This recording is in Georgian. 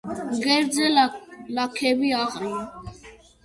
მკერდზე ლაქები აყრია.